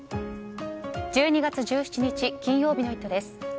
１２月１７日、金曜日の「イット！」です。